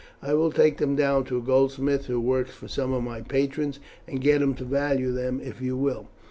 I will take them down to a goldsmith who works for some of my patrons, and get him to value them, if you will."